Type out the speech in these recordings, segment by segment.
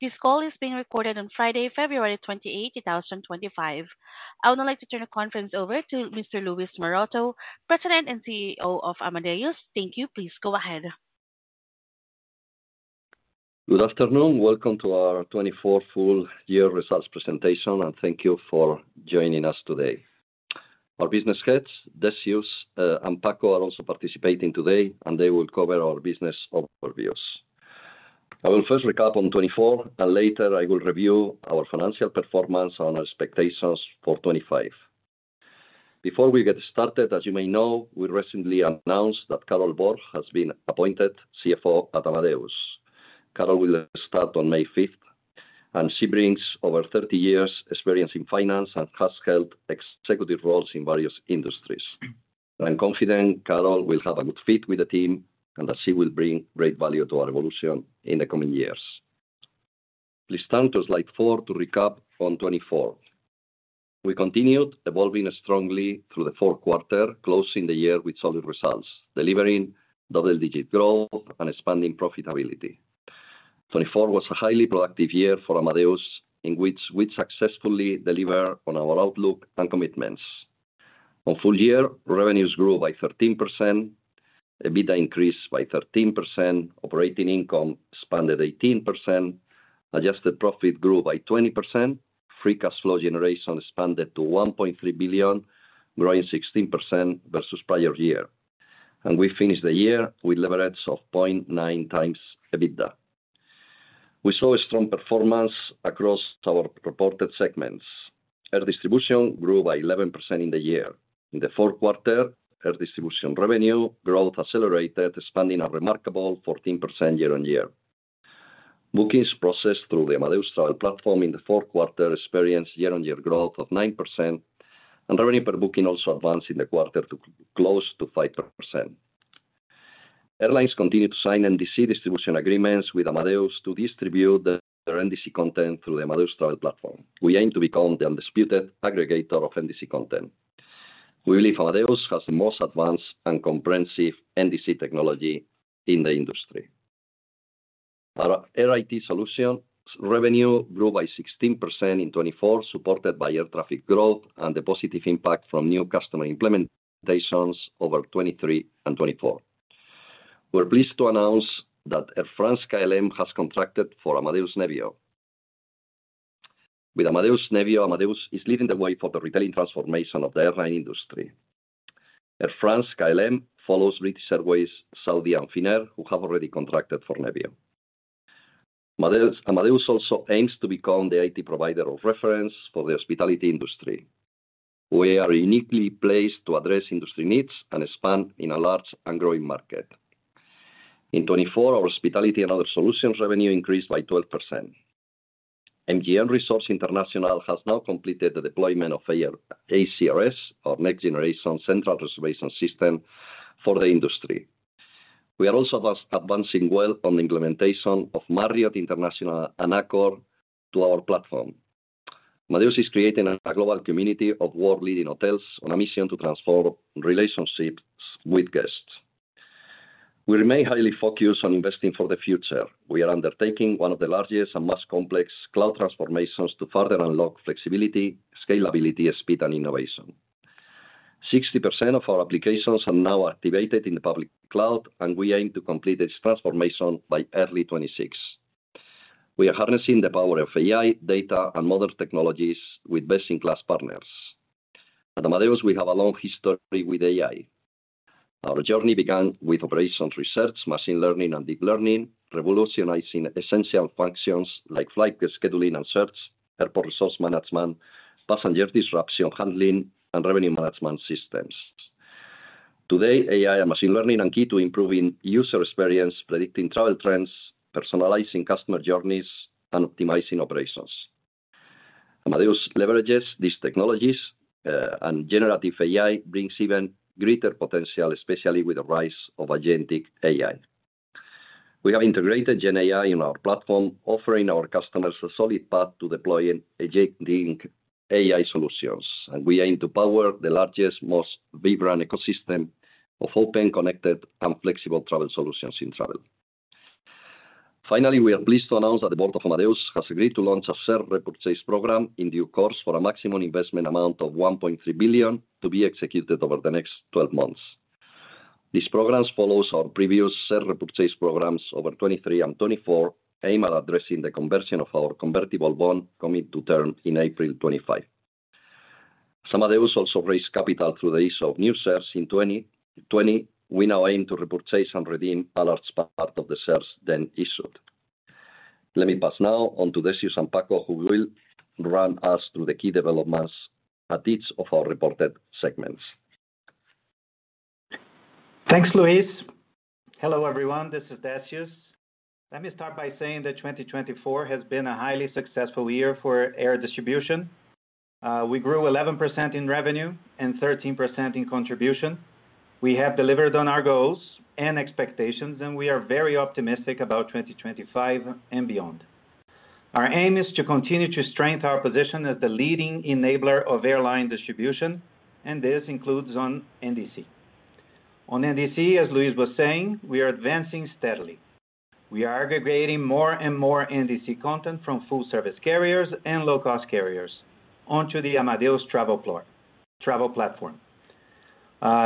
This call is being recorded on Friday, February 28th, 2025. I would now like to turn the conference over to Mr. Luis Maroto, President and CEO of Amadeus. Thank you. Please go ahead. Good afternoon. Welcome to our 24th full-year results presentation, and thank you for joining us today. Our business heads, Decius and Paco, are also participating today, and they will cover our business overviews. I will first recap on 24, and later I will review our financial performance and our expectations for 25. Before we get started, as you may know, we recently announced that Carol Borg has been appointed CFO at Amadeus. Carol will start on May 5, and she brings over 30 years' experience in finance and has held executive roles in various industries. I'm confident Carol will have a good fit with the team and that she will bring great value to our evolution in the coming years. Please turn to slide four to recap on 24. We continued evolving strongly through the fourth quarter, closing the year with solid results, delivering double-digit growth and expanding profitability. 2024 was a highly productive year for Amadeus, in which we successfully delivered on our outlook and commitments. On full year, revenues grew by 13%, EBITDA increased by 13%, operating income expanded 18%, adjusted profit grew by 20%, free cash flow generation expanded to 1.3 billion, growing 16% versus prior year, and we finished the year with leverage of 0.9 times EBITDA. We saw strong performance across our reported segments. Air Distribution grew by 11% in the year. In the fourth quarter, Air Distribution revenue growth accelerated, expanding a remarkable 14% year-on-year. Bookings processed through the Amadeus Travel Platform in the fourth quarter experienced year-on-year growth of 9%, and revenue per booking also advanced in the quarter to close to 5%. Airlines continue to sign NDC distribution agreements with Amadeus to distribute their NDC content through the Amadeus Travel Platform. We aim to become the undisputed aggregator of NDC content. We believe Amadeus has the most advanced and comprehensive NDC technology in the industry. Our Air IT Solutions revenue grew by 16% in 2024, supported by air traffic growth and the positive impact from new customer implementations over 2023 and 2024. We're pleased to announce that Air France-KLM has contracted for Amadeus Nevio. With Amadeus Nevio, Amadeus is leading the way for the retailing transformation of the airline industry. Air France-KLM follows British Airways, Saudia, and Finnair, who have already contracted for Nevio. Amadeus also aims to become the IT provider of reference for the Hospitality industry. We are uniquely placed to address industry needs and expand in a large and growing market. In 2024, our Hospitality and Other solutions revenue increased by 12%. MGM Resorts International has now completed the deployment of ACRS, our next-generation central reservation system for the industry. We are also advancing well on the implementation of Marriott International and Accor to our platform. Amadeus is creating a global community of world-leading hotels on a mission to transform relationships with guests. We remain highly focused on investing for the future. We are undertaking one of the largest and most complex cloud transformations to further unlock flexibility, scalability, speed, and innovation. 60% of our applications are now activated in the public cloud, and we aim to complete this transformation by early 2026. We are harnessing the power of AI, data, and modern technologies with best-in-class partners. At Amadeus, we have a long history with AI. Our journey began with operations research, machine learning, and deep learning, revolutionizing essential functions like flight scheduling and search, airport resource management, passenger disruption handling, and revenue management systems. Today, AI and machine learning are key to improving user experience, predicting travel trends, personalizing customer journeys, and optimizing operations. Amadeus leverages these technologies, and generative AI brings even greater potential, especially with the rise of agentic AI. We have integrated GenAI in our platform, offering our customers a solid path to deploying agentic AI solutions, and we aim to power the largest, most vibrant ecosystem of open, connected, and flexible travel solutions in travel. Finally, we are pleased to announce that the board of Amadeus has agreed to launch a share repurchase program in due course for a maximum investment amount of 1.3 billion to be executed over the next 12 months. These programs follow our previous share repurchase programs over 2023 and 2024, aimed at addressing the conversion of our convertible bond coming to term in April 2025. As Amadeus also raised capital through the issue of new shares in 2020, we now aim to repurchase and redeem a large part of the shares then issued. Let me pass now on to Decius and Paco, who will run us through the key developments at each of our reported segments. Thanks, Luis. Hello, everyone. This is Decius. Let me start by saying that 2024 has been a highly successful year for air distribution. We grew 11% in revenue and 13% in contribution. We have delivered on our goals and expectations, and we are very optimistic about 2025 and beyond. Our aim is to continue to strengthen our position as the leading enabler of airline distribution, and this includes NDC. On NDC, as Luis was saying, we are advancing steadily. We are aggregating more and more NDC content from full-service carriers and low-cost carriers onto the Amadeus Travel Platform.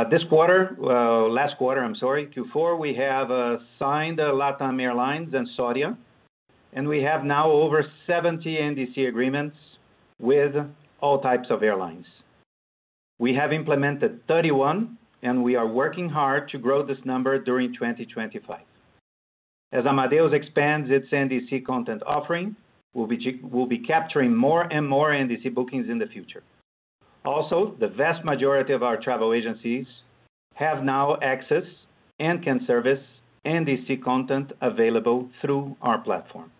This quarter, last quarter, I'm sorry, Q4, we have signed LATAM Airlines and Saudia, and we have now over 70 NDC agreements with all types of airlines. We have implemented 31, and we are working hard to grow this number during 2025. As Amadeus expands its NDC content offering, we'll be capturing more and more NDC bookings in the future. Also, the vast majority of our travel agencies have now access and can service NDC content available through our platform.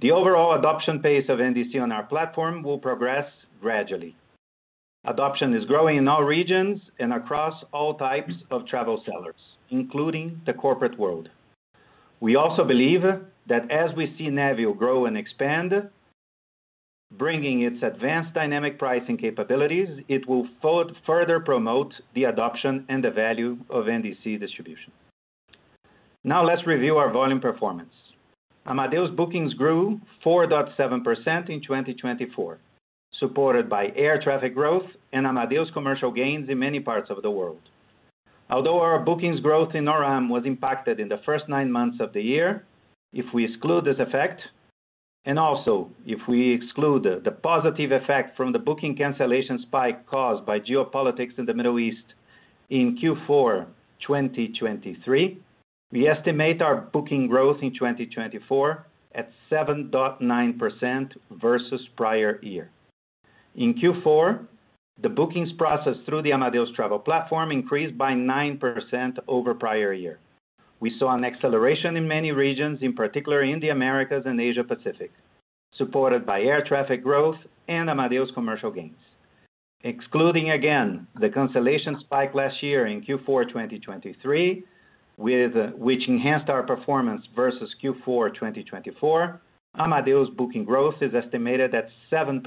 The overall adoption pace of NDC on our platform will progress gradually. Adoption is growing in all regions and across all types of travel sellers, including the corporate world. We also believe that as we see NEVIO grow and expand, bringing its advanced dynamic pricing capabilities, it will further promote the adoption and the value of NDC distribution. Now, let's review our volume performance. Amadeus bookings grew 4.7% in 2024, supported by air traffic growth and Amadeus commercial gains in many parts of the world. Although our bookings growth in Q1 was impacted in the first nine months of the year, if we exclude this effect, and also if we exclude the positive effect from the booking cancellation spike caused by geopolitics in the Middle East in Q4 2023, we estimate our booking growth in 2024 at 7.9% versus prior year. In Q4, the bookings processed through the Amadeus Travel Platform increased by 9% over prior year. We saw an acceleration in many regions, in particular in the Americas and Asia-Pacific, supported by air traffic growth and Amadeus commercial gains. Excluding again the cancellation spike last year in Q4 2023, which enhanced our performance versus Q4 2024, Amadeus booking growth is estimated at 7%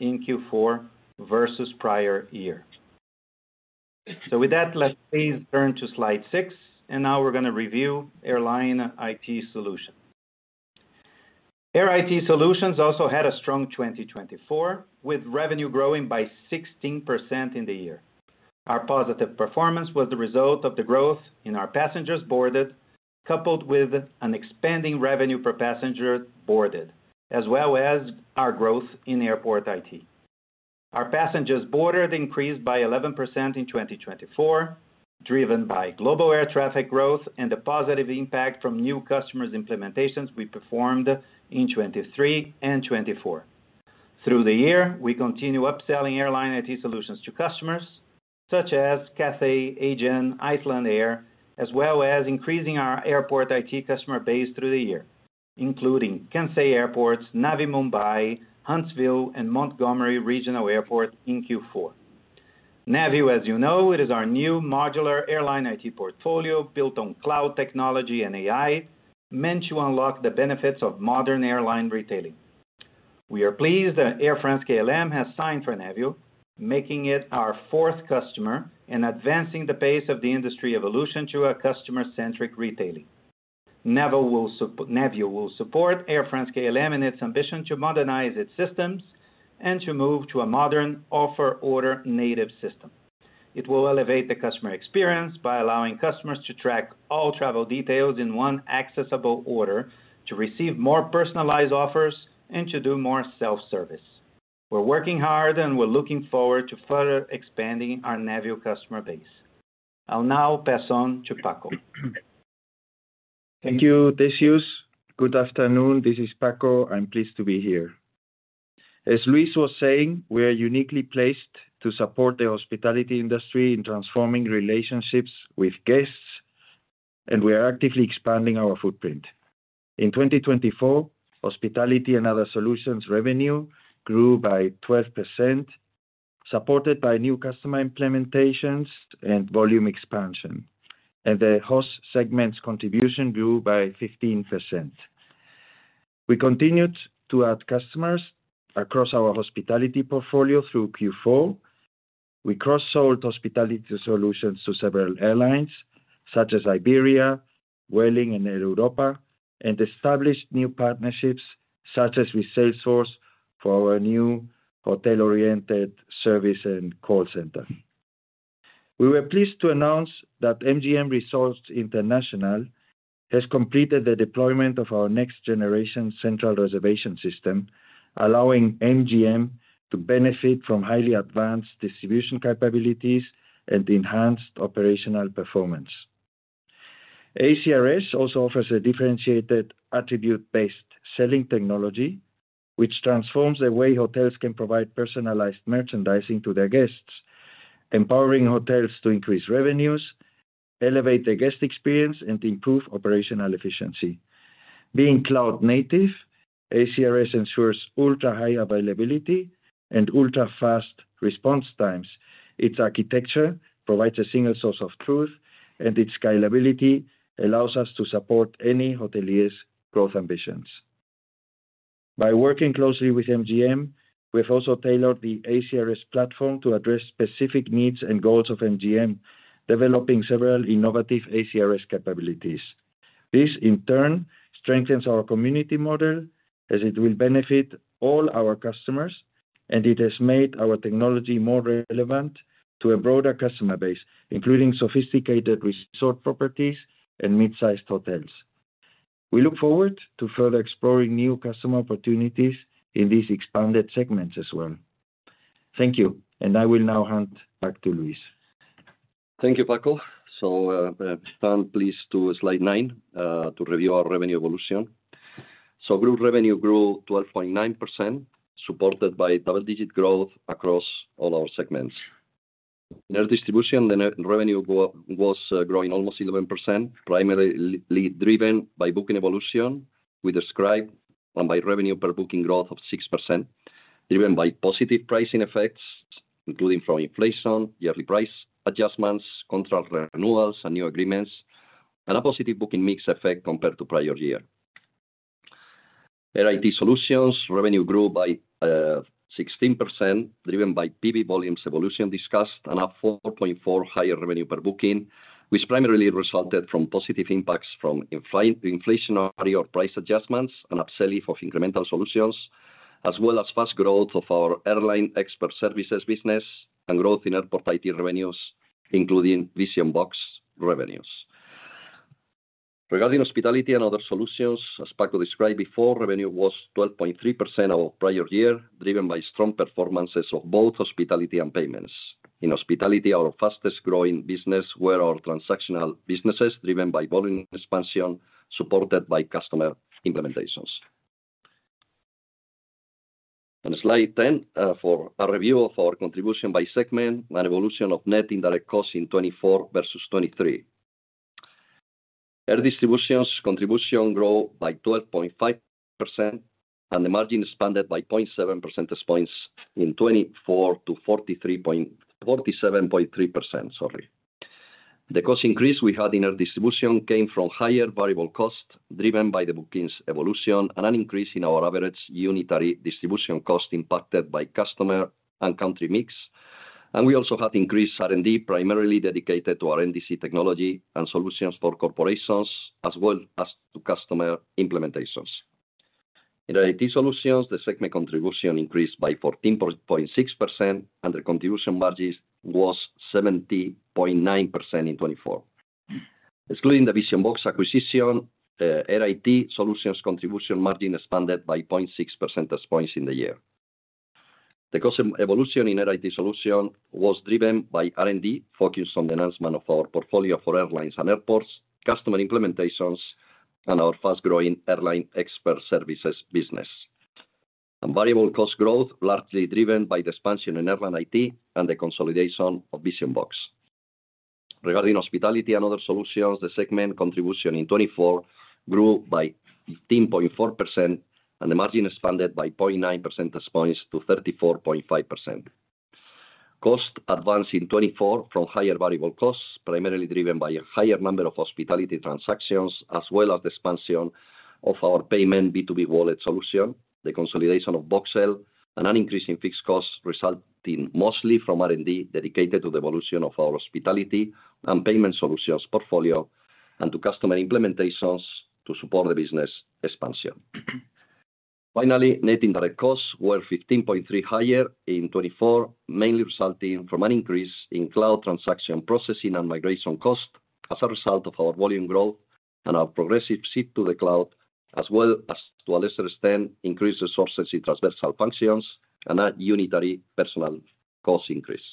in Q4 versus prior year. So with that, let's please turn to slide 6, and now we're going to review Airline IT Solutions. Airline IT Solutions also had a strong 2024, with revenue growing by 16% in the year. Our positive performance was the result of the growth in our passengers boarded, coupled with an expanding revenue per passenger boarded, as well as our growth in Airport IT. Our passengers boarded increased by 11% in 2024, driven by global air traffic growth and the positive impact from new customers' implementations we performed in 2023 and 2024. Through the year, we continue upselling Airline IT solutions to customers such as Cathay, Aegean, Icelandair, as well as increasing our Airport IT customer base through the year, including Kansai International Airport, Navi Mumbai International Airport, Huntsville International Airport, and Montgomery Regional Airport in Q4. NEVIO, as you know, is our new modular Airline IT portfolio built on cloud technology and AI meant to unlock the benefits of modern airline retailing. We are pleased that Air France-KLM has signed for NEVIO, making it our fourth customer and advancing the pace of the industry evolution to a customer-centric retailing. NEVIO will support Air France-KLM in its ambition to modernize its systems and to move to a modern offer-order native system. It will elevate the customer experience by allowing customers to track all travel details in one accessible order, to receive more personalized offers, and to do more self-service. We're working hard, and we're looking forward to further expanding our NEVIO customer base. I'll now pass on to Paco. Thank you, Decius. Good afternoon. This is Paco. I'm pleased to be here. As Luis was saying, we are uniquely placed to support the hospitality industry in transforming relationships with guests, and we are actively expanding our footprint. In 2024, Hospitality and Other Solutions revenue grew by 12%, supported by new customer implementations and volume expansion, and the Hospitality segment's contribution grew by 15%. We continued to add customers across our hospitality portfolio through Q4. We cross-sold hospitality solutions to several airlines such as Iberia, Vueling, and Air Europa, and established new partnerships such as with Salesforce for our new hotel-oriented service and call center. We were pleased to announce that MGM Resorts International has completed the deployment of our next-generation central reservation system, allowing MGM to benefit from highly advanced distribution capabilities and enhanced operational performance. ACRS also offers a differentiated attribute-based selling technology, which transforms the way hotels can provide personalized merchandising to their guests, empowering hotels to increase revenues, elevate their guest experience, and improve operational efficiency. Being cloud-native, ACRS ensures ultra-high availability and ultra-fast response times. Its architecture provides a single source of truth, and its scalability allows us to support any hotelier's growth ambitions. By working closely with MGM, we have also tailored the ACRS platform to address specific needs and goals of MGM, developing several innovative ACRS capabilities. This, in turn, strengthens our community model as it will benefit all our customers, and it has made our technology more relevant to a broader customer base, including sophisticated resort properties and mid-sized hotels. We look forward to further exploring new customer opportunities in these expanded segments as well. Thank you, and I will now hand back to Luis. Thank you, Paco. So we'll turn please to slide 9 to review our revenue evolution. So group revenue grew 12.9%, supported by double-digit growth across all our segments. In air distribution, the revenue was growing almost 11%, primarily driven by booking evolution we describe and by revenue per booking growth of 6%, driven by positive pricing effects, including from inflation, yearly price adjustments, contract renewals, and new agreements, and a positive booking mix effect compared to prior year. Air IT solutions revenue grew by 16%, driven by PB volumes evolution discussed, and up 4.4% higher revenue per booking, which primarily resulted from positive impacts from inflationary or price adjustments and upselling of incremental solutions, as well as fast growth of our airline expert services business and growth in airport IT revenues, including Vision-Box revenues. Regarding hospitality and other solutions, as Paco described before, revenue was 12.3% of prior year, driven by strong performances of both hospitality and payments. In hospitality, our fastest-growing business were our transactional businesses, driven by volume expansion supported by customer implementations. Slide 10 for a review of our contribution by segment and evolution of net indirect costs in 2024 versus 2023. Air Distribution's contribution grew by 12.5%, and the margin expanded by 0.7% points in 2024 to 47.3%. The cost increase we had in air distribution came from higher variable costs driven by the bookings evolution and an increase in our average unitary distribution cost impacted by customer and country mix. We also had increased R&D, primarily dedicated to R&DC technology and solutions for corporations, as well as to customer implementations. In IT solutions, the segment contribution increased by 14.6%, and the contribution margin was 70.9% in 2024. Excluding the Vision-Box acquisition, Airline IT Solutions contribution margin expanded by 0.6 percentage points in the year. The cost evolution in Airline IT Solutions was driven by R&D focused on the enhancement of our portfolio for airlines and airports, customer implementations, and our fast-growing Airline Expert Services business. Variable cost growth, largely driven by the expansion in Airline IT and the consolidation of Vision-Box. Regarding Hospitality and Other Solutions, the segment contribution in 2024 grew by 15.4%, and the margin expanded by 0.9 percentage points to 34.5%. Cost advanced in 2024 from higher variable costs, primarily driven by a higher number of hospitality transactions, as well as the expansion of our payments B2B Wallet solution, the consolidation of Voxel, and an increase in fixed costs resulting mostly from R&D dedicated to the evolution of our hospitality and payments solutions portfolio and to customer implementations to support the business expansion. Finally, net indirect costs were 15.3% higher in 2024, mainly resulting from an increase in cloud transaction processing and migration cost as a result of our volume growth and our progressive shift to the cloud, as well as, to a lesser extent, increased resources in transversal functions and a unitary personnel cost increase.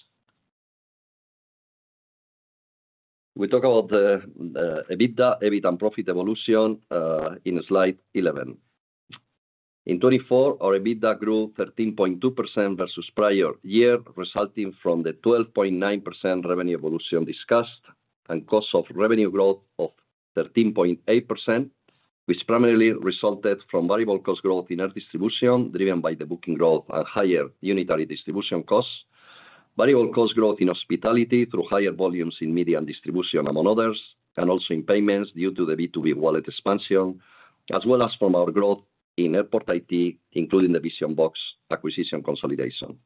We talk about EBITDA, EBIT and profit evolution in slide 11. In 2024, our EBITDA grew 13.2% versus prior year, resulting from the 12.9% revenue evolution discussed and cost of revenue growth of 13.8%, which primarily resulted from variable cost growth in air distribution driven by the booking growth and higher unitary distribution costs, variable cost growth in hospitality through higher volumes in media and distribution among others, and also in payments due to the B2B wallet expansion, as well as from our growth in airport IT, including the Vision-Box acquisition consolidation.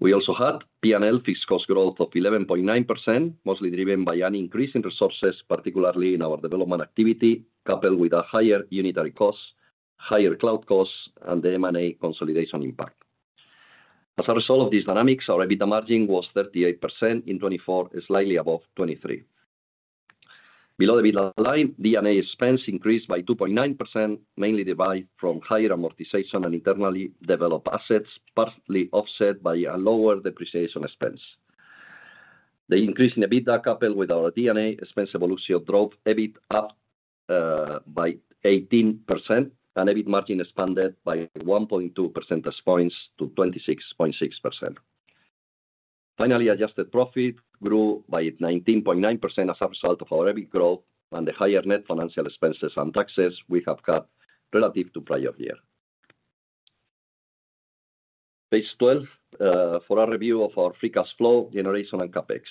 We also had P&L fixed cost growth of 11.9%, mostly driven by an increase in resources, particularly in our development activity, coupled with a higher unitary cost, higher cloud costs, and the M&A consolidation impact. As a result of these dynamics, our EBITDA margin was 38% in 2024, slightly above 2023. Below the EBITDA line, D&A expense increased by 2.9%, mainly derived from higher amortization and internally developed assets, partly offset by a lower depreciation expense. The increase in EBITDA coupled with our D&A expense evolution drove EBIT up by 18%, and EBIT margin expanded by 1.2 percentage points to 26.6%. Finally, adjusted profit grew by 19.9% as a result of our EBIT growth and the higher net financial expenses and taxes we have had relative to prior year. Let's turn to our review of our free cash flow generation and CapEx.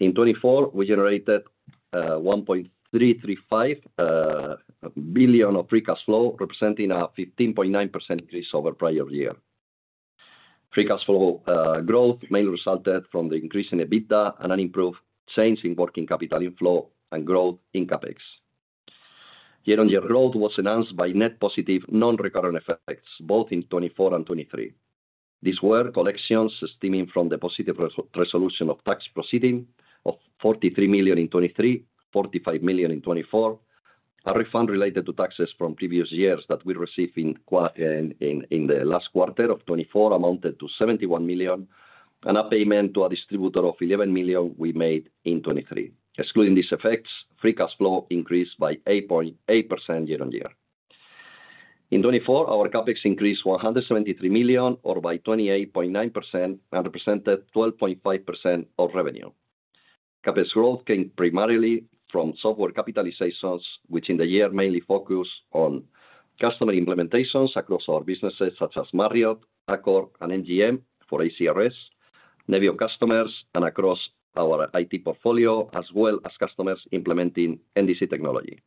In 2024, we generated 1.335 billion of free cash flow, representing a 15.9% increase over prior year. Free cash flow growth mainly resulted from the increase in EBITDA and an improved change in working capital inflow and growth in CapEx. Year-on-year growth was enhanced by net positive non-recurrent effects both in 2024 and 2023. These were collections stemming from the positive resolution of tax proceeding of 43 million in 2023, 45 million in 2024, a refund related to taxes from previous years that we received in the last quarter of 2024 amounted to 71 million, and a payments to a distributor of 11 million we made in 2023. Excluding these effects, free cash flow increased by 8.8% year-on-year. In 2024, our CapEx increased 173 million, or by 28.9%, and represented 12.5% of revenue. CapEx growth came primarily from software capitalizations, which in the year mainly focused on customer implementations across our businesses such as Marriott, Accor, and MGM for ACRS, NEVIO customers, and across our IT portfolio, as well as customers implementing NDC technology.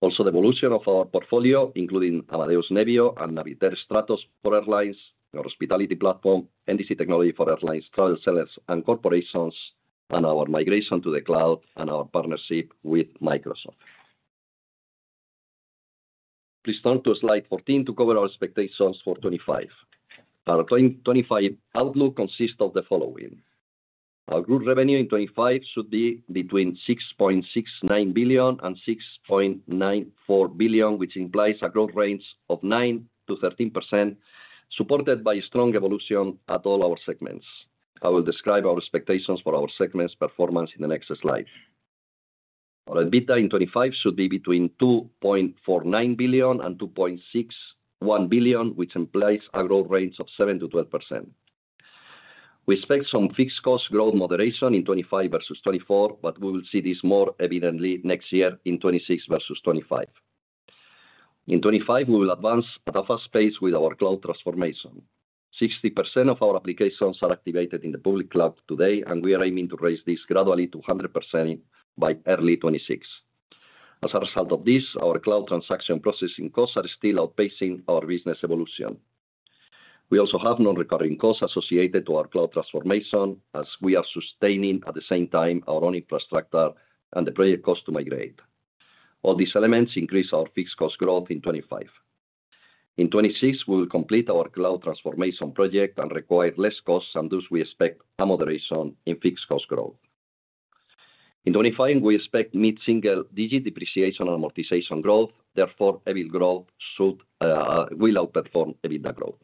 Also, the evolution of our portfolio, including Amadeus NEVIO and Navitaire Stratos for airlines, our hospitality platform, NDC technology for airlines, travel sellers, and corporations, and our migration to the cloud and our partnership with Microsoft. Please turn to slide 14 to cover our expectations for 2025. Our 2025 outlook consists of the following. Our group revenue in 2025 should be between 6.69 billion and 6.94 billion, which implies a growth range of 9%-13%, supported by strong evolution at all our segments. I will describe our expectations for our segments' performance in the next slide. Our EBITDA in 2025 should be between 2.49 billion and 2.61 billion, which implies a growth range of 7%-12%. We expect some fixed cost growth moderation in 2025 versus 2024, but we will see this more evidently next year in 2026 versus 2025. In 2025, we will advance at our fast pace with our cloud transformation. 60% of our applications are activated in the public cloud today, and we are aiming to raise this gradually to 100% by early 2026. As a result of this, our cloud transaction processing costs are still outpacing our business evolution. We also have non-recurring costs associated to our cloud transformation, as we are sustaining at the same time our own infrastructure and the project cost to migrate. All these elements increase our fixed cost growth in 2025. In 2026, we will complete our cloud transformation project and require less costs, and thus we expect a moderation in fixed cost growth. In 2025, we expect mid-single-digit depreciation and amortization growth. Therefore, EBIT growth will outperform EBITDA growth.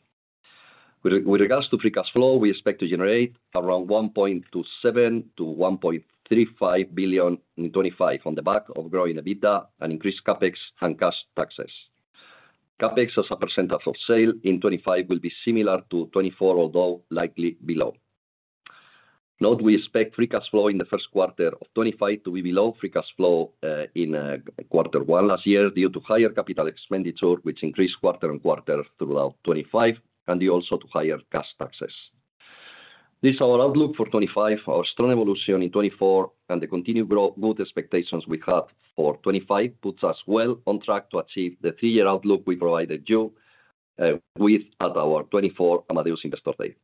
With regards to free cash flow, we expect to generate around 1.27 billion-1.35 billion in 2025 on the back of growing EBITDA and increased CapEx and cash taxes. CapEx as a percentage of sale in 2025 will be similar to 2024, although likely below. Note we expect free cash flow in the first quarter of 2025 to be below free cash flow in quarter one last year due to higher capital expenditure, which increased quarter on quarter throughout 2025, and also to higher cash taxes. This is our outlook for 2025. Our strong evolution in 2024 and the continued good expectations we had for 2025 puts us well on track to achieve the three-year outlook we provided you with at our 2024 Amadeus Investor Day.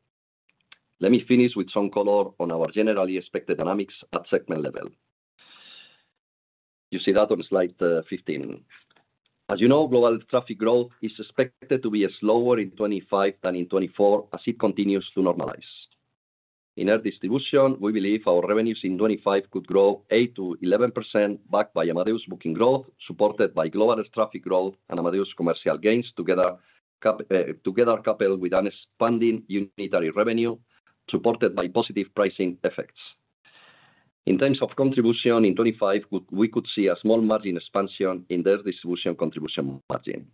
Let me finish with some color on our generally expected dynamics at segment level. You see that on slide 15. As you know, global traffic growth is expected to be slower in 2025 than in 2024 as it continues to normalize. In air distribution, we believe our revenues in 2025 could grow 8%-11% backed by Amadeus booking growth, supported by global traffic growth and Amadeus commercial gains together coupled with an expanding unitary revenue supported by positive pricing effects. In terms of contribution in 2025, we could see a small margin expansion in the air distribution contribution margin.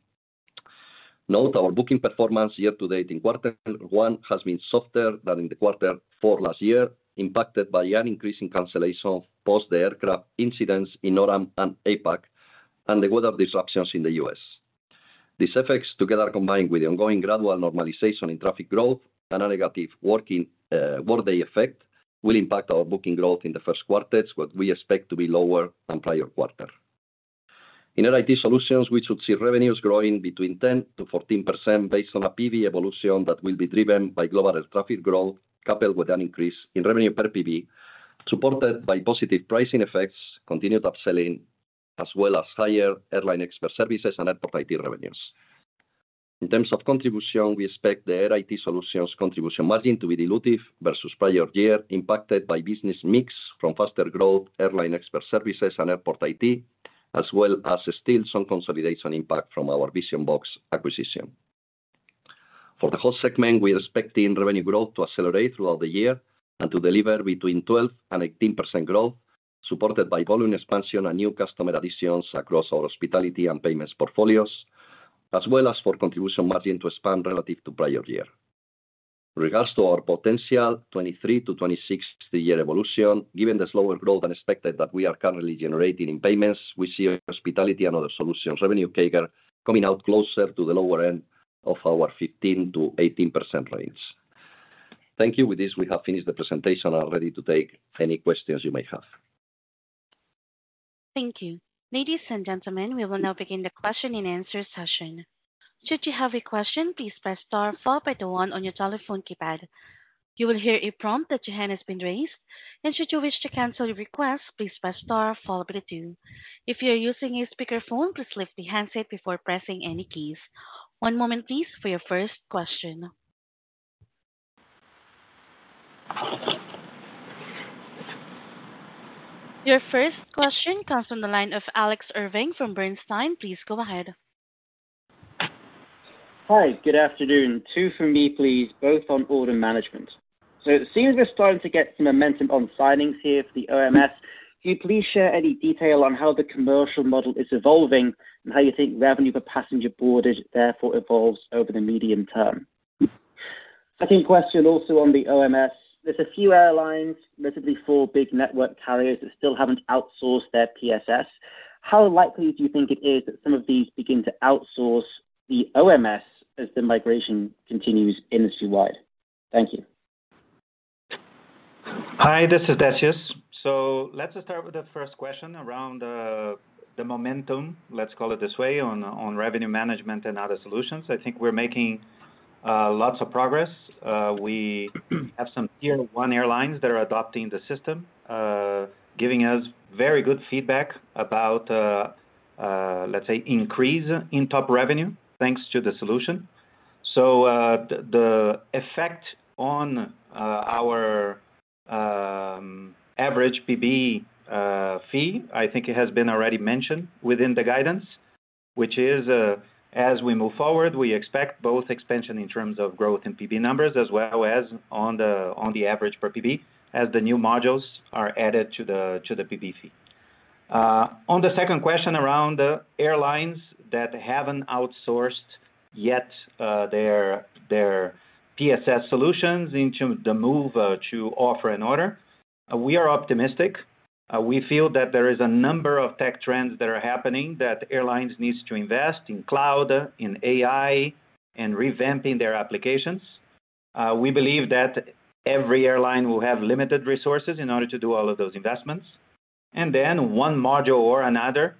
Note our booking performance year-to-date in quarter one has been softer than in quarter four last year, impacted by an increase in cancellation post-the-aircraft incidents in EMEA and APAC and the weather disruptions in the U.S. These effects, together combined with the ongoing gradual normalization in traffic growth and a negative working workday effect, will impact our booking growth in the first quarter, but we expect to be lower than prior quarter. In Airline IT Solutions, we should see revenues growing between 10%-14% based on a PB evolution that will be driven by global air traffic growth coupled with an increase in revenue per PB, supported by positive pricing effects, continued upselling, as well as higher airline expert services and Airport IT revenues. In terms of contribution, we expect the Air IT Solutions contribution margin to be dilutive versus prior year, impacted by business mix from faster growth, airline expert services, and airport IT, as well as still some consolidation impact from our Vision-Box acquisition. For the whole segment, we are expecting revenue growth to accelerate throughout the year and to deliver between 12% and 18% growth, supported by volume expansion and new customer additions across our hospitality and payments portfolios, as well as for contribution margin to expand relative to prior year. With regards to our 2023 to 2026-year evolution, given the slower growth and expected that we are currently generating in payments, we see hospitality and other solutions revenue growth coming out closer to the lower end of our 15%-18% range. Thank you. With this, we have finished the presentation and are ready to take any questions you may have. Thank you. Ladies and gentlemen, we will now begin the question and answer session. Should you have a question, please press star followed by the one on your telephone keypad. You will hear a prompt that your hand has been raised, and should you wish to cancel your request, please press star followed by the two. If you are using a speakerphone, please lift the handset before pressing any keys. One moment, please, for your first question. Your first question comes from the line of Alex Irving from Bernstein. Please go ahead. Hi. Good afternoon. Two from me, please, both on order management. So it seems we're starting to get some momentum on signings here for the OMS. Can you please share any detail on how the commercial model is evolving and how you think revenue per passenger boarded, therefore, evolves over the medium term? Second question also on the OMS. There's a few airlines, notably four big network carriers that still haven't outsourced their PSS. How likely do you think it is that some of these begin to outsource the OMS as the migration continues industry-wide? Thank you. Hi. This is Decius. So let's start with the first question around the momentum, let's call it this way, on revenue management and other solutions. I think we're making lots of progress. We have some tier-one airlines that are adopting the system, giving us very good feedback about, let's say, increase in top revenue thanks to the solution. So the effect on our average PB fee, I think it has been already mentioned within the guidance, which is as we move forward, we expect both expansion in terms of growth in PB numbers as well as on the average per PB as the new modules are added to the PB fee. On the second question around airlines that haven't outsourced yet their PSS solutions into the move to Offer and Order, we are optimistic. We feel that there is a number of tech trends that are happening that airlines need to invest in cloud, in AI, and revamping their applications. We believe that every airline will have limited resources in order to do all of those investments. And then one module or another,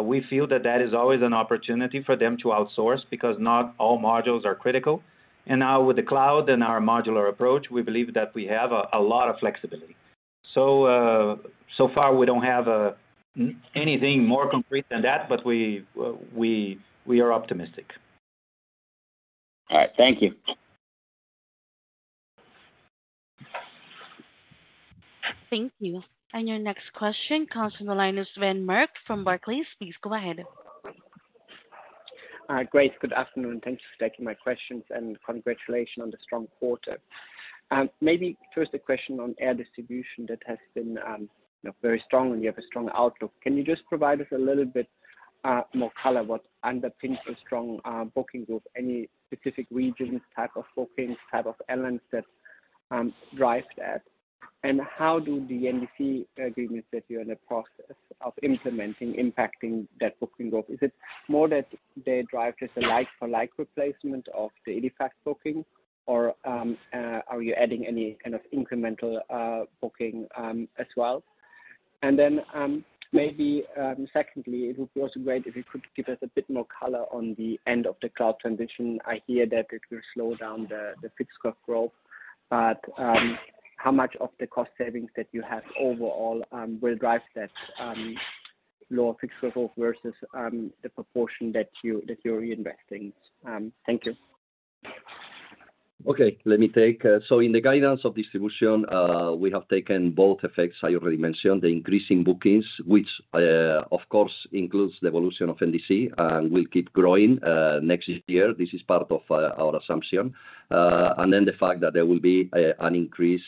we feel that that is always an opportunity for them to outsource because not all modules are critical. And now with the cloud and our modular approach, we believe that we have a lot of flexibility. So far, we don't have anything more concrete than that, but we are optimistic. All right. Thank you. Thank you. And your next question comes from the line of Sven Merkt from Barclays. Please go ahead. Hi, Grace. Good afternoon. Thank you for taking my questions and congratulations on the strong quarter. Maybe first a question on air distribution that has been very strong and you have a strong outlook. Can you just provide us a little bit more color what underpins a strong booking growth? Any specific regions, type of bookings, type of elements that drive that? And how do the NDC agreements that you're in the process of implementing impact that booking growth? Is it more that they're driven as a like-for-like replacement of the 85 booking, or are you adding any kind of incremental booking as well? And then maybe secondly, it would be also great if you could give us a bit more color on the end of the cloud transition. I hear that it will slow down the fixed cost growth, but how much of the cost savings that you have overall will drive that lower fixed cost growth versus the proportion that you're reinvesting? Thank you. Okay. Let me take so in the guidance of distribution, we have taken both effects. I already mentioned the increasing bookings, which, of course, includes the evolution of NDC and will keep growing next year. This is part of our assumption. And then the fact that there will be an increase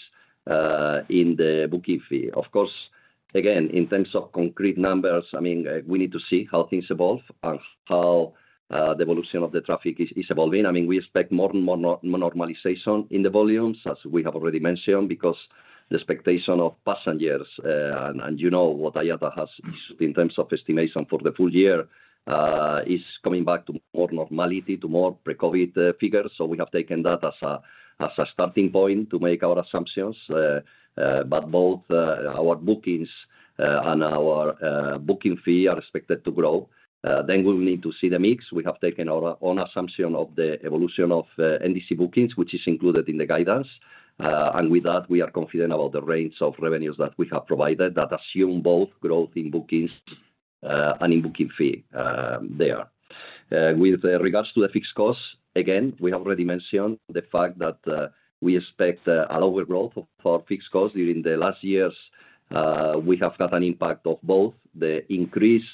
in the booking fee. Of course, again, in terms of concrete numbers, I mean, we need to see how things evolve and how the evolution of the traffic is evolving. I mean, we expect more and more normalization in the volumes, as we have already mentioned, because the expectation of passengers and you know what IATA has issued in terms of estimation for the full year is coming back to more normality, to more pre-COVID figures, so we have taken that as a starting point to make our assumptions, but both our bookings and our booking fee are expected to grow, then we will need to see the mix. We have taken our own assumption of the evolution of NDC bookings, which is included in the guidance, and with that, we are confident about the range of revenues that we have provided that assume both growth in bookings and in booking fee there. With regards to the fixed costs, again, we have already mentioned the fact that we expect an overgrowth of our fixed costs during the last years. We have got an impact of both the increase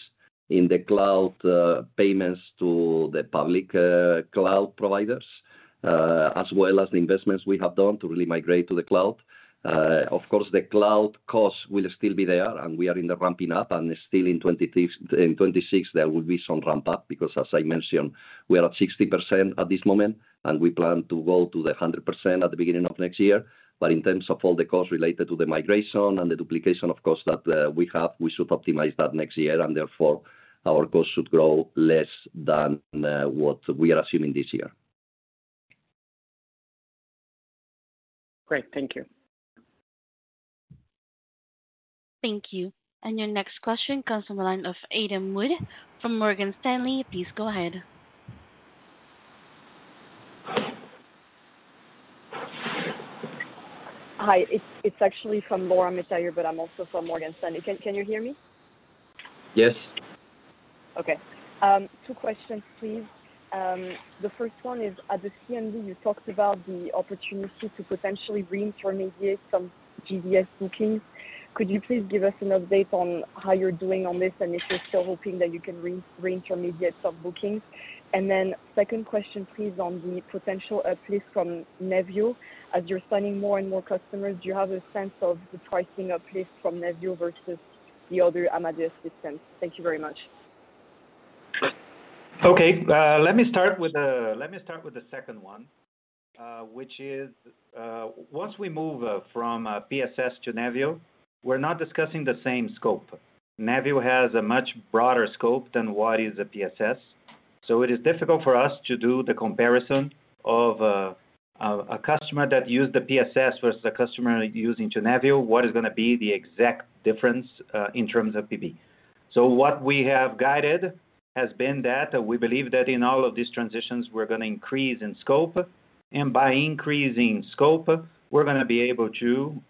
in the cloud payments to the public cloud providers, as well as the investments we have done to really migrate to the cloud. Of course, the cloud costs will still be there, and we are in the ramping up, and still in 2026, there will be some ramp up because, as I mentioned, we are at 60% at this moment, and we plan to go to the 100% at the beginning of next year. But in terms of all the costs related to the migration and the duplication of costs that we have, we should optimize that next year, and therefore, our costs should grow less than what we are assuming this year. Great. Thank you. Thank you. And your next question comes from the line of Adam Wood from Morgan Stanley. Please go ahead. Hi. It's actually from Laura Matayer, but I'm also from Morgan Stanley. Can you hear me? Yes. Okay. Two questions, please. The first one is, at the CMV, you talked about the opportunity to potentially reintermediate some GDS bookings. Could you please give us an update on how you're doing on this and if you're still hoping that you can reintermediate some bookings? And then second question, please, on the potential uplift from Nevio. As you're signing more and more customers, do you have a sense of the pricing uplift from Nevio versus the other Amadeus systems? Thank you very much. Okay. Let me start with the second one, which is once we move from PSS to Nevio, we're not discussing the same scope. NEVIO has a much broader scope than what is a PSS. So it is difficult for us to do the comparison of a customer that used the PSS versus a customer using NEVIO, what is going to be the exact difference in terms of PB. So what we have guided has been that we believe that in all of these transitions, we're going to increase in scope. By increasing scope, we're going to be able to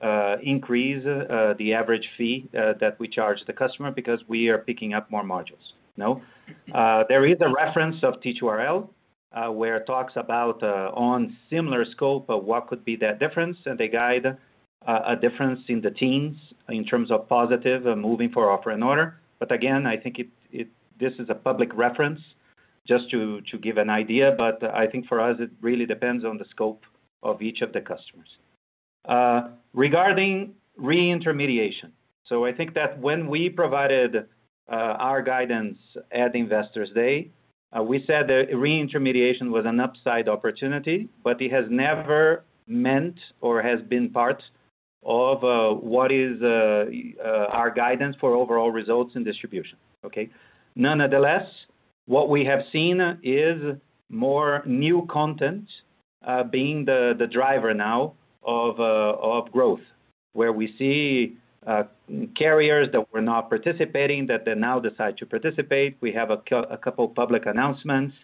increase the average fee that we charge the customer because we are picking up more modules. There is a reference of T2RL where it talks about on similar scope, what could be that difference, and they guide a difference in the teens in terms of positive moving for Offer and Order. But again, I think this is a public reference just to give an idea, but I think for us, it really depends on the scope of each of the customers. Regarding reintermediation, so I think that when we provided our guidance at Investors Day, we said that reintermediation was an upside opportunity, but it has never meant or has been part of what is our guidance for overall results in distribution. Okay? Nonetheless, what we have seen is more new content being the driver now of growth, where we see carriers that were not participating that they now decide to participate. We have a couple of public announcements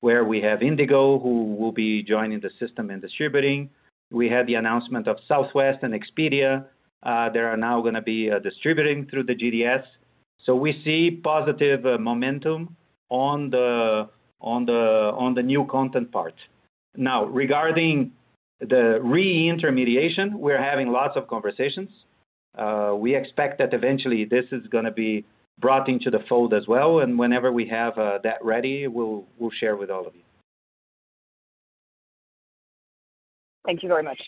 where we have IndiGo, who will be joining the system and distributing. We had the announcement of Southwest and Expedia. They are now going to be distributing through the GDS. So we see positive momentum on the new content part. Now, regarding the reintermediation, we're having lots of conversations. We expect that eventually this is going to be brought into the fold as well. And whenever we have that ready, we'll share with all of you. Thank you very much.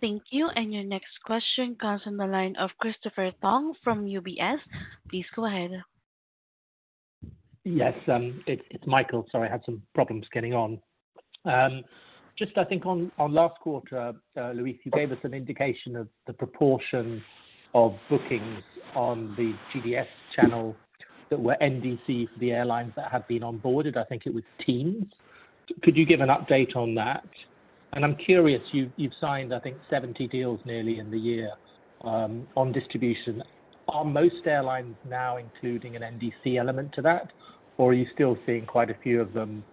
Thank you. And your next question comes from the line of Christopher Thong from UBS. Please go ahead. Yes. It's Michael. Sorry, I had some problems getting on. Just, I think, on last quarter, Luis, you gave us an indication of the proportion of bookings on the GDS channel that were NDC for the airlines that have been onboarded. I think it was teens. Could you give an update on that? And I'm curious. You've signed, I think, 70 deals nearly in the year on distribution. Are most airlines now including an NDC element to that, or are you still seeing quite a few of them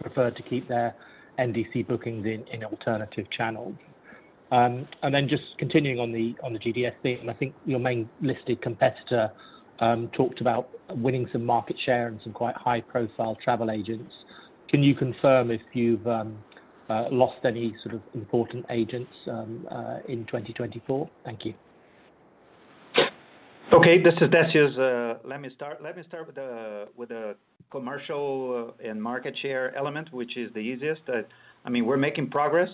prefer to keep their NDC bookings in alternative channels? And then just continuing on the GDS thing, I think your main listed competitor talked about winning some market share and some quite high-profile travel agents. Can you confirm if you've lost any sort of important agents in 2024? Thank you. Okay. This is Decius. Let me start with the commercial and market share element, which is the easiest. I mean, we're making progress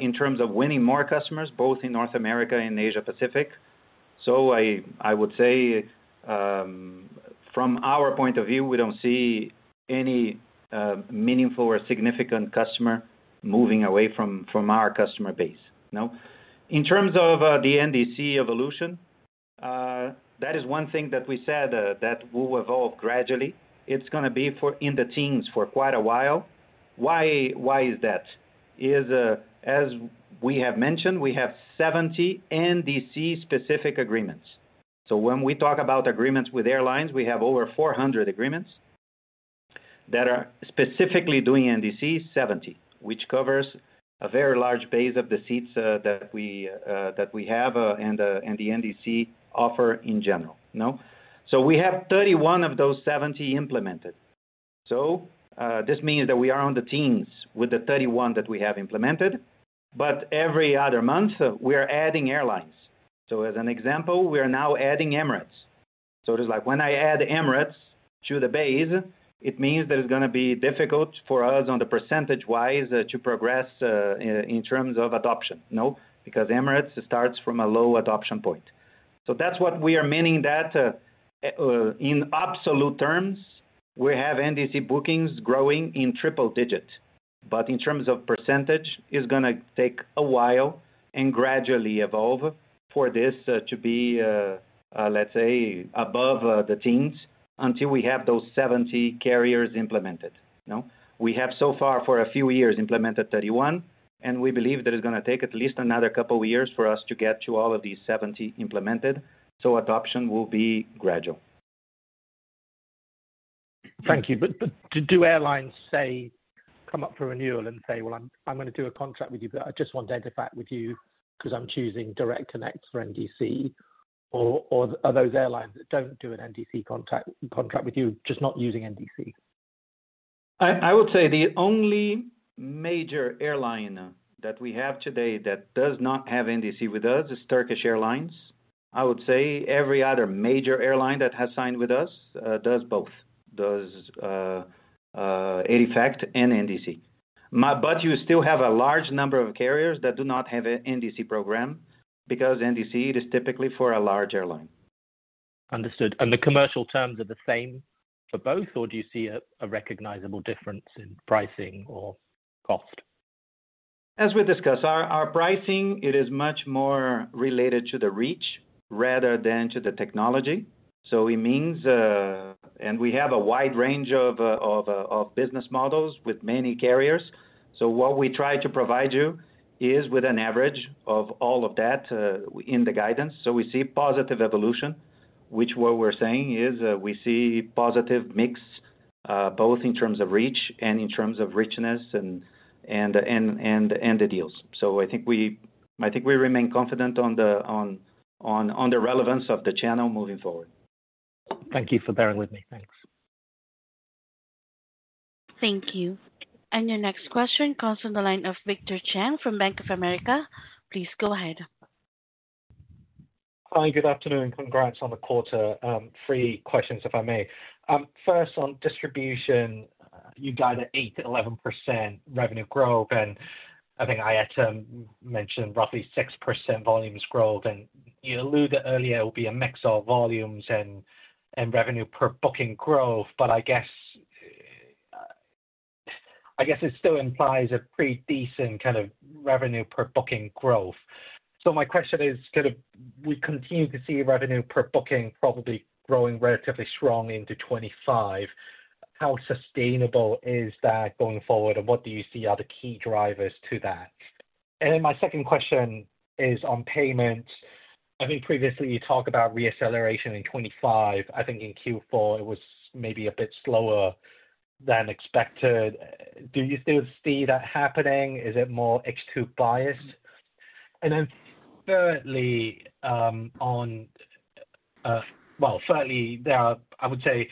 in terms of winning more customers, both in North America and Asia-Pacific. So I would say from our point of view, we don't see any meaningful or significant customer moving away from our customer base. In terms of the NDC evolution, that is one thing that we said that will evolve gradually. It's going to be in the teens for quite a while. Why is that? As we have mentioned, we have 70 NDC-specific agreements. So when we talk about agreements with airlines, we have over 400 agreements that are specifically doing NDC, 70, which covers a very large base of the seats that we have and the NDC offer in general. So we have 31 of those 70 implemented, so this means that we are in the teens with the 31 that we have implemented, but every other month, we are adding airlines, so as an example, we are now adding Emirates, so it is like when I add Emirates to the base, it means that it's going to be difficult for us on the percentage-wise to progress in terms of adoption because Emirates starts from a low adoption point. So that's what we are meaning, that in absolute terms, we have NDC bookings growing in triple digits. But in terms of percentage, it's going to take a while and gradually evolve for this to be, let's say, above 10% until we have those 70 carriers implemented. We have so far, for a few years, implemented 31, and we believe that it's going to take at least another couple of years for us to get to all of these 70 implemented. So adoption will be gradual. Thank you. But do airlines come up for renewal and say, "Well, I'm going to do a contract with you, but I just want to clarify with you because I'm choosing Direct Connect for NDC"? Or are those airlines that don't do an NDC contract with you just not using NDC? I would say the only major airline that we have today that does not have NDC with us is Turkish Airlines. I would say every other major airline that has signed with us does both, does EDIFACT and NDC. But you still have a large number of carriers that do not have an NDC program because NDC is typically for a large airline. Understood. And the commercial terms are the same for both, or do you see a recognizable difference in pricing or cost? As we discussed, our pricing, it is much more related to the reach rather than to the technology. So it means and we have a wide range of business models with many carriers. So what we try to provide you is with an average of all of that in the guidance. So we see positive evolution, which what we're saying is we see positive mix both in terms of reach and in terms of richness and the deals. So I think we remain confident on the relevance of the channel moving forward. Thank you for bearing with me. Thanks. Thank you. And your next question comes from the line of Victor Cheng from Bank of America. Please go ahead. Hi. Good afternoon. Congrats on the quarter. Three questions, if I may. First, on distribution, you guide at 8%-11% revenue growth. And I think IATA mentioned roughly 6% volumes growth. And you alluded earlier it will be a mix of volumes and revenue per booking growth. But I guess it still implies a pretty decent kind of revenue per booking growth. So my question is, could we continue to see revenue per booking probably growing relatively strong into 2025? How sustainable is that going forward, and what do you see are the key drivers to that? And then my second question is on payments. I think previously you talked about reacceleration in 2025. I think in Q4 it was maybe a bit slower than expected. Do you still see that happening? Is it more H2 biased? And then thirdly, I would say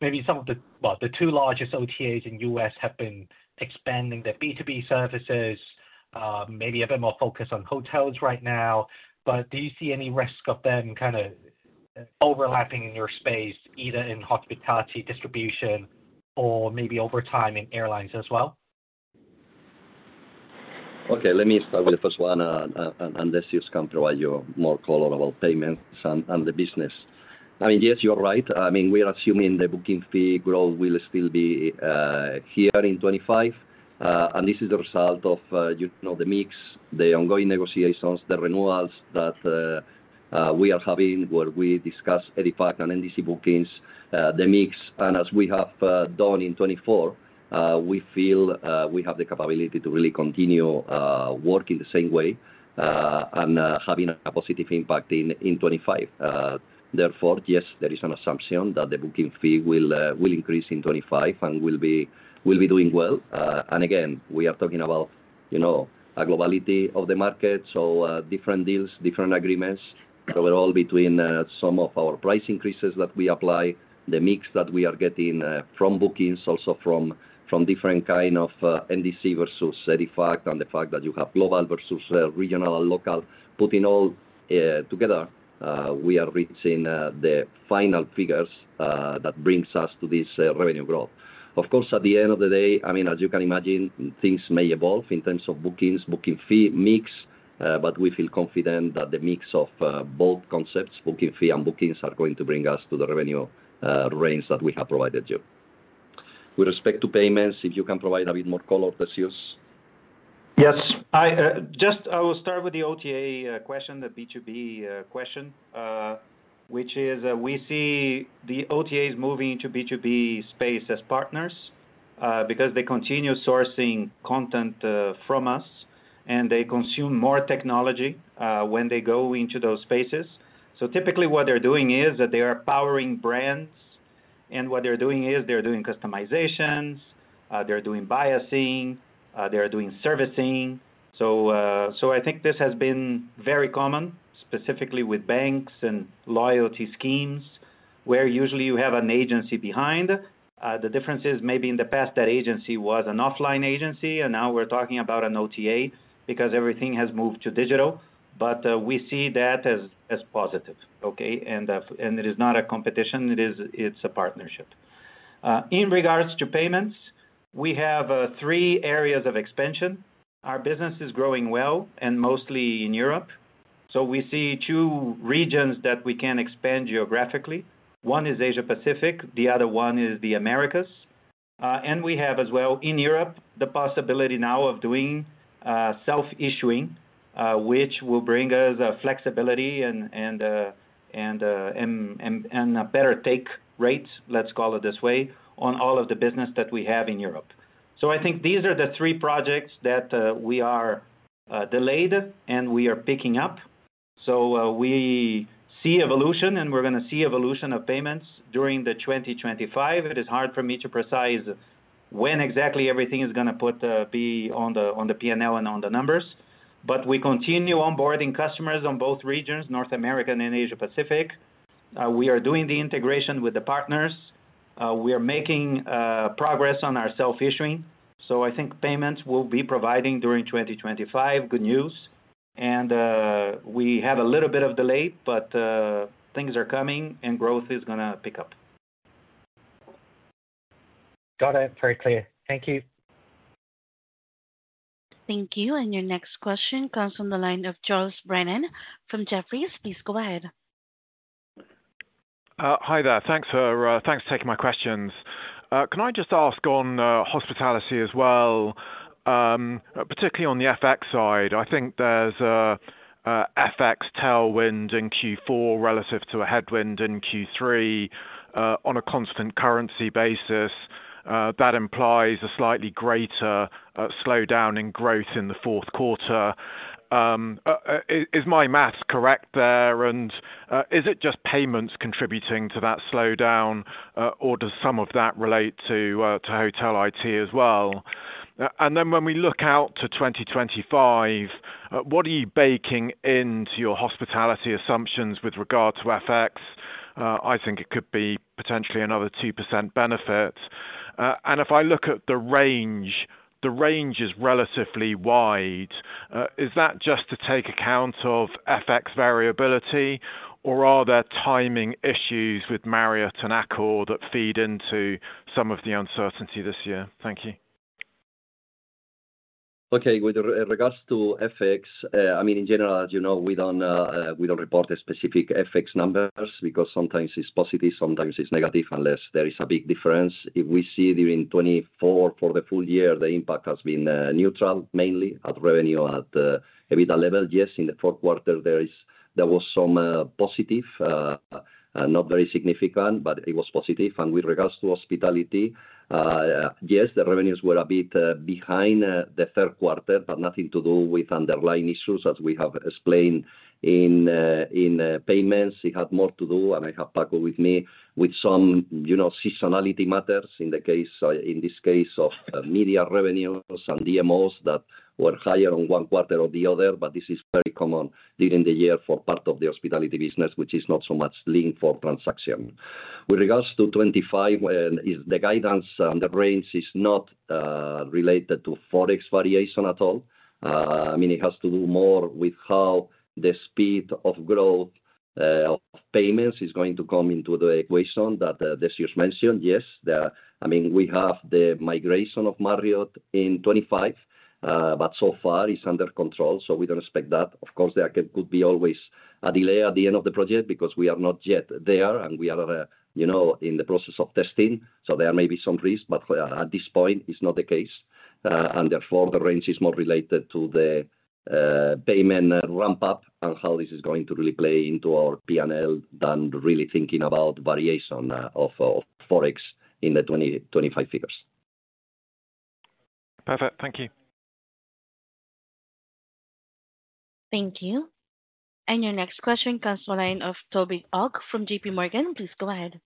maybe some of the two largest OTAs in the U.S. have been expanding their B2B services, maybe a bit more focus on hotels right now. But do you see any risk of them kind of overlapping in your space, either in hospitality distribution or maybe over time in airlines as well? Okay. Let me start with the first one, and Decius can provide you more color about payments and the business. I mean, yes, you're right. I mean, we are assuming the booking fee growth will still be here in 2025. And this is the result of the mix, the ongoing negotiations, the renewals that we are having where we discuss EDIFACT and NDC bookings, the mix. And as we have done in 2024, we feel we have the capability to really continue working the same way and having a positive impact in 2025. Therefore, yes, there is an assumption that the booking fee will increase in 2025 and we'll be doing well. And again, we are talking about a globality of the market, so different deals, different agreements overall between some of our price increases that we apply, the mix that we are getting from bookings, also from different kind of NDC versus EDIFACT and the fact that you have global versus regional and local. Putting all together, we are reaching the final figures that brings us to this revenue growth. Of course, at the end of the day, I mean, as you can imagine, things may evolve in terms of bookings, booking fee mix, but we feel confident that the mix of both concepts, booking fee and bookings, are going to bring us to the revenue range that we have provided you. With respect to payments, if you can provide a bit more color, Decius. Yes. Just, I will start with the OTA question, the B2B question, which is we see the OTAs moving into B2B space as partners because they continue sourcing content from us, and they consume more technology when they go into those spaces. So typically, what they're doing is that they are powering brands, and what they're doing is they're doing customizations, they're doing biasing, they're doing servicing. So I think this has been very common, specifically with banks and loyalty schemes where usually you have an agency behind. The difference is maybe in the past that agency was an offline agency, and now we're talking about an OTA because everything has moved to digital. But we see that as positive. Okay? And it is not a competition. It's a partnership. In regards to payments, we have three areas of expansion. Our business is growing well and mostly in Europe. So we see two regions that we can expand geographically. One is Asia-Pacific. The other one is the Americas. And we have as well in Europe the possibility now of doing self-issuing, which will bring us flexibility and a better take rate, let's call it this way, on all of the business that we have in Europe. So I think these are the three projects that we are delayed, and we are picking up. So we see evolution, and we're going to see evolution of payments during the 2025. It is hard for me to predict when exactly everything is going to be on the P&L and on the numbers. But we continue onboarding customers in both regions, North America and Asia-Pacific. We are doing the integration with the partners. We are making progress on our self-issuing. So I think payments will be providing during 2025 good news. And we have a little bit of delay, but things are coming, and growth is going to pick up. Got it. Very clear. Thank you. Thank you. And your next question comes from the line of Charles Brennan from Jefferies. Please go ahead. Hi there. Thanks for taking my questions. Can I just ask on hospitality as well, particularly on the FX side? I think there's FX tailwind in Q4 relative to a headwind in Q3 on a constant currency basis. That implies a slightly greater slowdown in growth in the fourth quarter. Is my math correct there? And is it just payments contributing to that slowdown, or does some of that relate to hotel IT as well? And then when we look out to 2025, what are you baking into your hospitality assumptions with regard to FX? I think it could be potentially another 2% benefit. And if I look at the range, the range is relatively wide. Is that just to take account of FX variability, or are there timing issues with Marriott and Accor that feed into some of the uncertainty this year? Thank you. Okay. With regards to FX, I mean, in general, as you know, we don't report specific FX numbers because sometimes it's positive, sometimes it's negative, unless there is a big difference. If we see during 2024 for the full year, the impact has been neutral, mainly at revenue at a beta level. Yes, in the fourth quarter, there was some positive, not very significant, but it was positive. And with regards to hospitality, yes, the revenues were a bit behind the third quarter, but nothing to do with underlying issues, as we have explained in payments. It had more to do, and I have tackled with me, with some seasonality matters in this case of media revenues and DMOs that were higher on one quarter or the other. But this is very common during the year for part of the hospitality business, which is not so much linked for transaction. With regards to 2025, the guidance and the range is not related to Forex variation at all. I mean, it has to do more with how the speed of growth of payments is going to come into the equation that Decius mentioned. Yes, I mean, we have the migration of Marriott in 2025, but so far it's under control. So we don't expect that. Of course, there could be always a delay at the end of the project because we are not yet there, and we are in the process of testing. So there may be some risk, but at this point, it's not the case. And therefore, the range is more related to the payments ramp-up and how this is going to really play into our P&L than really thinking about variation of Forex in the 2025 figures. Perfect. Thank you. Thank you. And your next question comes from the line of Toby Ogg from J.P. Morgan. Please go ahead.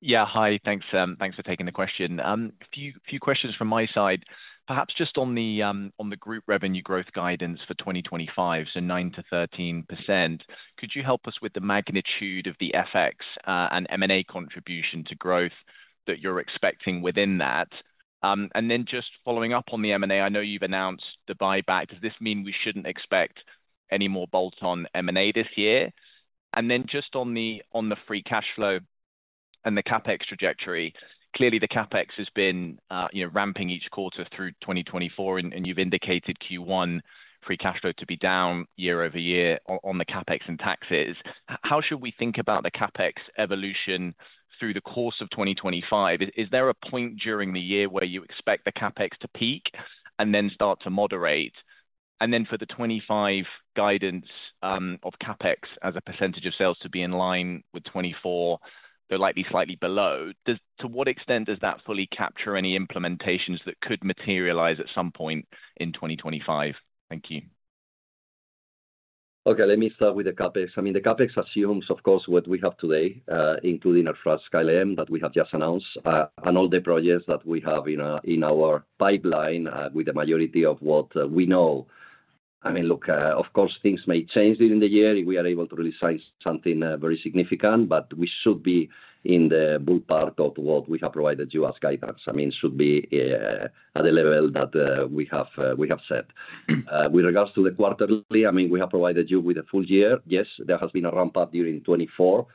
Yeah. Hi. Thanks for taking the question. A few questions from my side. Perhaps just on the group revenue growth guidance for 2025, so 9%-13%, could you help us with the magnitude of the FX and M&A contribution to growth that you're expecting within that? And then just following up on the M&A, I know you've announced the buyback. Does this mean we shouldn't expect any more bolt-on M&A this year? And then just on the free cash flow and the CapEx trajectory, clearly the CapEx has been ramping each quarter through 2024, and you've indicated Q1 free cash flow to be down year over year on the CapEx and taxes. How should we think about the CapEx evolution through the course of 2025? Is there a point during the year where you expect the CapEx to peak and then start to moderate? And then, for the 2025 guidance of CapEx as a percentage of sales to be in line with 2024, they're likely slightly below. To what extent does that fully capture any implementations that could materialize at some point in 2025? Thank you. Okay. Let me start with the CapEx. I mean, the CapEx assumes, of course, what we have today, including our first Sky Airline that we have just announced and all the projects that we have in our pipeline with the majority of what we know. I mean, look, of course, things may change during the year if we are able to really sign something very significant, but we should be in the ballpark of what we have provided you as guidance. I mean, it should be at the level that we have set. With regards to the quarterly, I mean, we have provided you with a full year. Yes, there has been a ramp-up during 2024.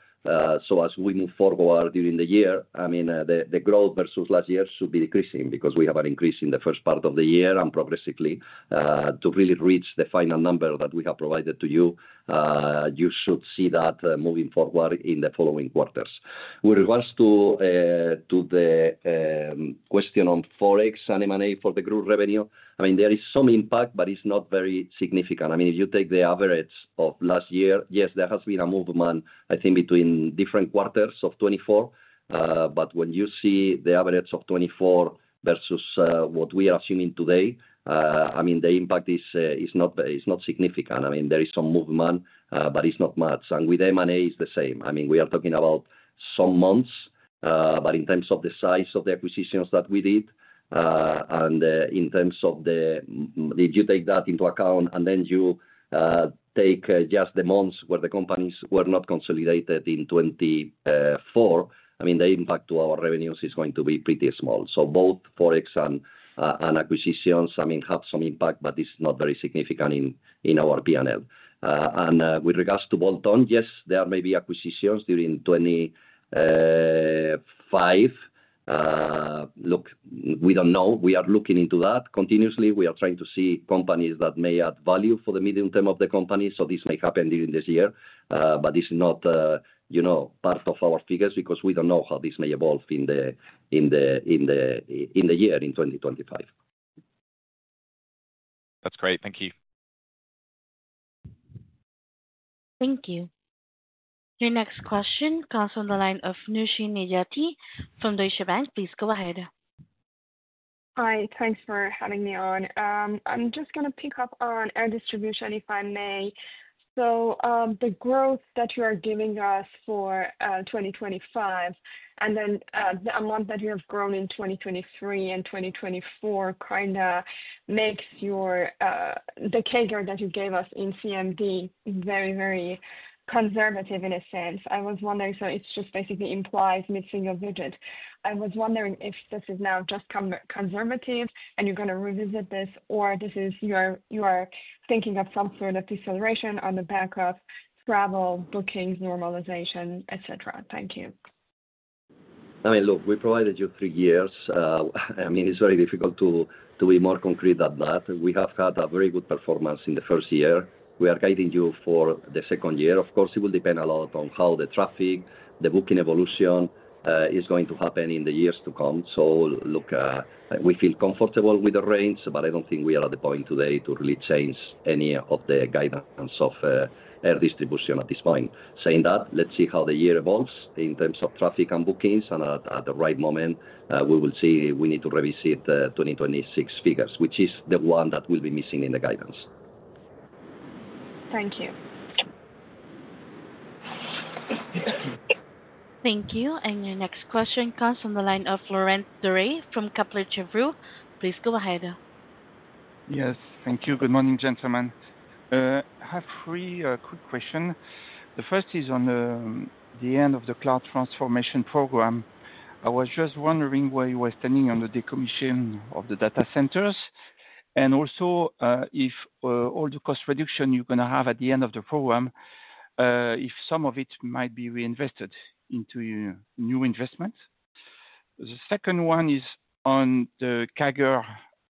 So as we move forward during the year, I mean, the growth versus last year should be decreasing because we have an increase in the first part of the year and progressively to really reach the final number that we have provided to you. You should see that moving forward in the following quarters. With regards to the question on Forex and M&A for the group revenue, I mean, there is some impact, but it's not very significant. I mean, if you take the average of last year, yes, there has been a movement, I think, between different quarters of 2024. But when you see the average of 2024 versus what we are assuming today, I mean, the impact is not significant. I mean, there is some movement, but it's not much. And with M&A, it's the same. I mean, we are talking about some months, but in terms of the size of the acquisitions that we did and in terms of the if you take that into account and then you take just the months where the companies were not consolidated in 2024, I mean, the impact to our revenues is going to be pretty small. So both Forex and acquisitions, I mean, have some impact, but it's not very significant in our P&L. And with regards to bolt-on, yes, there may be acquisitions during 2025. Look, we don't know. We are looking into that continuously. We are trying to see companies that may add value for the medium term of the company. So this may happen during this year, but it's not part of our figures because we don't know how this may evolve in the year in 2025. That's great. Thank you. Thank you. Your next question comes from the line of Nooshin Nejati from Deutsche Bank. Please go ahead. Hi. Thanks for having me on. I'm just going to pick up on air distribution, if I may. So the growth that you are giving us for 2025 and then the amount that you have grown in 2023 and 2024 kind of makes the CAGR that you gave us in CMD very, very conservative in a sense. I was wondering, so it just basically implies mid-single digit. I was wondering if this is now just conservative and you're going to revisit this, or this is you are thinking of some sort of deceleration on the back of travel, bookings, normalization, etc.? Thank you. I mean, look, we provided you three years. I mean, it's very difficult to be more concrete than that. We have had a very good performance in the first year. We are guiding you for the second year. Of course, it will depend a lot on how the traffic, the booking evolution is going to happen in the years to come. So look, we feel comfortable with the range, but I don't think we are at the point today to really change any of the guidance of air distribution at this point. Saying that, let's see how the year evolves in terms of traffic and bookings. And at the right moment, we will see we need to revisit 2026 figures, which is the one that will be missing in the guidance. Thank you. Thank you. And your next question comes from the line of Laurent Daure from Kepler Cheuvreux. Please go ahead. Yes. Thank you. Good morning, gentlemen. I have three quick questions. The first is on the end of the cloud transformation program. I was just wondering why you were standing on the decommission of the data centers and also if all the cost reduction you're going to have at the end of the program, if some of it might be reinvested into new investments. The second one is on the CAGR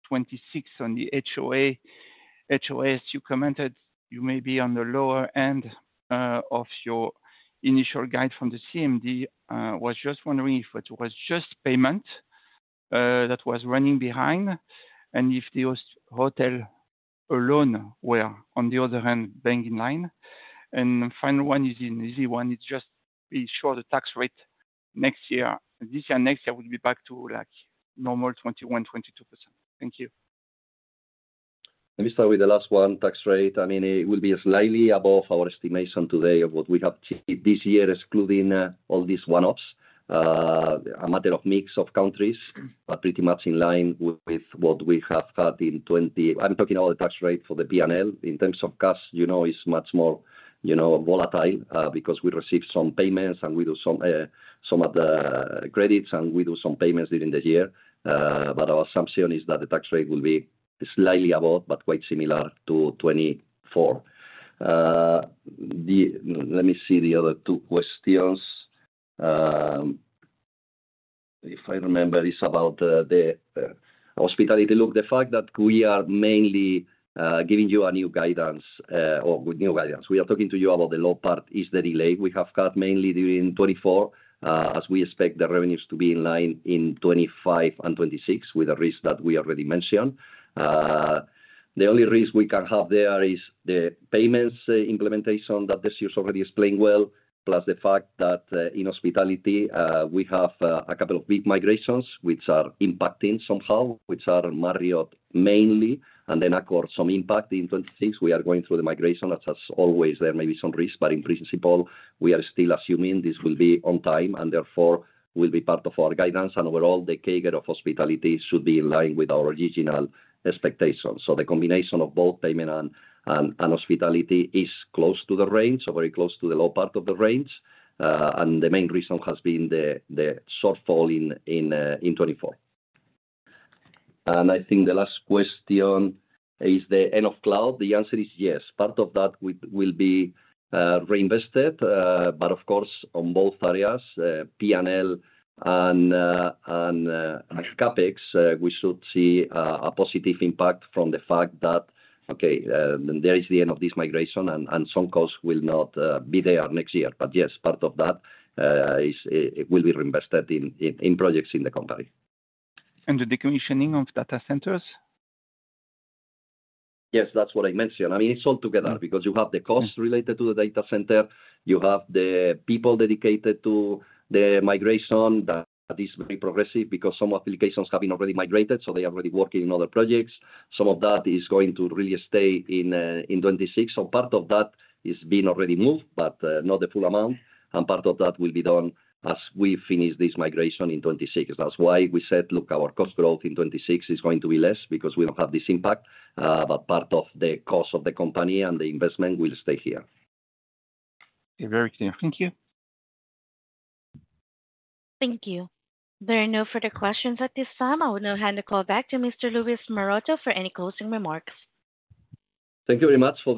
26 on the H&OS. You commented you may be on the lower end of your initial guide from the CMD. I was just wondering if it was just Payments that was running behind and if those Hospitality alone were, on the other hand, bang on line, and the final one is an easy one. It's just to be sure the tax rate next year. This year and next year will be back to normal 21%-22%. Thank you. Let me start with the last one, tax rate. I mean, it will be slightly above our estimation today of what we have achieved this year, excluding all these one-offs. It's a matter of the mix of countries, but pretty much in line with what we have had in 2020. I'm talking about the tax rate for the P&L. In terms of cash, it's much more volatile because we receive some payments and we do some other credits and we do some payments during the year. But our assumption is that the tax rate will be slightly above, but quite similar to 2024. Let me see the other two questions. If I remember, it's about the hospitality. Look, the fact that we are mainly giving you a new guidance. We are talking to you about the low part is the delay we have got mainly during 2024, as we expect the revenues to be in line in 2025 and 2026 with the risk that we already mentioned. The only risk we can have there is the payments implementation that Decius already explained well, plus the fact that in hospitality, we have a couple of big migrations which are impacting somehow, which are Marriott mainly, and then Accor, some impact in 2026. We are going through the migration. As always, there may be some risk, but in principle, we are still assuming this will be on time and therefore will be part of our guidance. And overall, the CAGR of hospitality should be in line with our original expectations. So the combination of both payments and hospitality is close to the range, so very close to the low part of the range. And the main reason has been the shortfall in 2024. And I think the last question is the end of cloud. The answer is yes. Part of that will be reinvested. But of course, on both areas, P&L and CapEx, we should see a positive impact from the fact that, okay, there is the end of this migration and some costs will not be there next year. But yes, part of that will be reinvested in projects in the company. And the decommissioning of data centers? Yes, that's what I mentioned. I mean, it's all together because you have the costs related to the data center. You have the people dedicated to the migration that is very progressive because some applications have been already migrated, so they are already working on other projects. Some of that is going to really stay in 2026. So part of that is being already moved, but not the full amount. And part of that will be done as we finish this migration in 2026. That's why we said, look, our cost growth in 2026 is going to be less because we don't have this impact, but part of the cost of the company and the investment will stay here. Very clear. Thank you. Thank you. There are no further questions at this time. I will now hand the call back to Mr. Luis Maroto for any closing remarks. Thank you very much for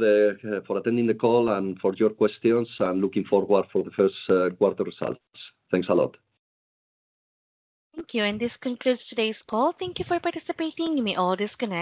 attending the call and for your questions, and looking forward to the first quarter results. Thanks a lot. Thank you. And this concludes today's call. Thank you for participating. You may all disconnect.